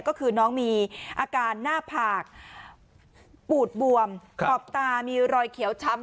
ก็คือน้องมีอาการหน้าผากปูดบวมขอบตามีรอยเขียวช้ำ